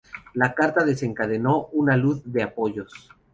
La carta desencadenó un alud de apoyos.